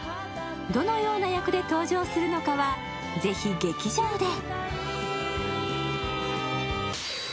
どのような役で登場するのかはぜひ劇場で。